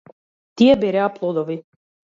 Тие береа плодови.